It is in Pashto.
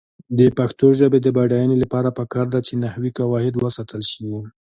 د پښتو ژبې د بډاینې لپاره پکار ده چې نحوي قواعد وساتل شي.